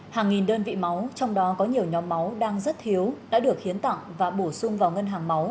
hàng nghìn đơn vị máu trong đó có nhiều nhóm máu đang rất thiếu đã được hiến tặng và bổ sung vào ngân hàng máu